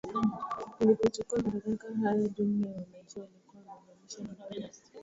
nilipochukua madaraka haya jumla ya wananchi waliokuwa wanaunganisha na huduma ya simu nchini india